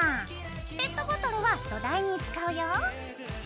ペットボトルは土台に使うよ。